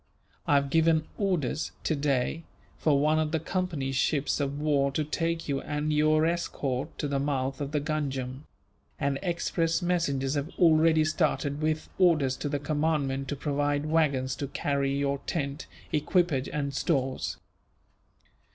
I have given orders, today, for one of the Company's ships of war to take you and your escort to the mouth of the Ganjam; and express messengers have already started, with orders to the commandant to provide waggons to carry your tent, equipage and stores.